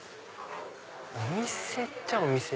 お店っちゃお店。